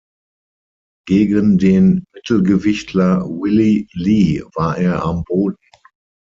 Gegen den Mittelgewichtler Willie Lee war er am Boden.